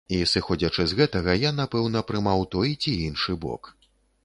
І сыходзячы з гэтага я, напэўна, прымаў той ці іншы бок.